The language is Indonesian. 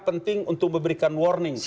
penting untuk memberikan warning